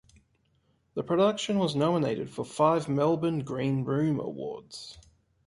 The production was nominated for five Melbourne Green Room Awards.